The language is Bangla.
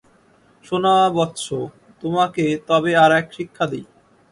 শোনা বৎস, তোমাকে তবে আর-এক শিক্ষা দিই।